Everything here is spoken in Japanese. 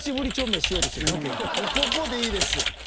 ここでいいです。